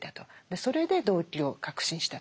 それで動機を確信したという。